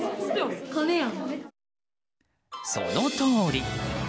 そのとおり！